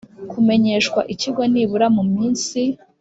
kumenyeshwa Ikigo nibura mu minsi